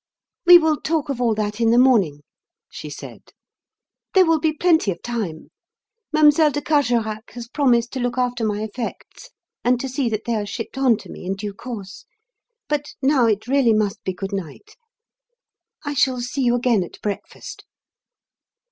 "We will talk of all that in the morning," she said. "There will be plenty of time. Mlle. de Carjorac has promised to look after my effects and to see that they are shipped on to me in due course. But now it really must be good night. I shall see you again at breakfast."